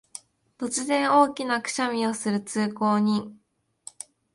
突然、大きなくしゃみをする通行人